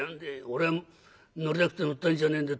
俺は乗りたくて乗ったんじゃねえんだ。